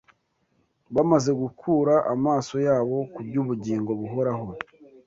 Bamaze gukura amaso yabo kuby’ubugingo buhoraho